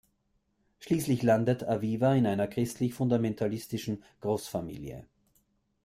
Schließlich landet Aviva in einer christlich-fundamentalistischen Großfamilie.